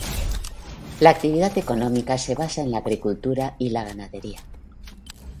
La actividad económica se basa en la agricultura y la ganadería.